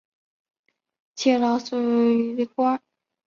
积劳卒于官。